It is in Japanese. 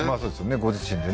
ご自身でね